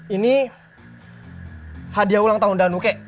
ini hadiah ulang tahun danu kek